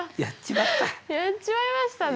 やっちまいましたねえ。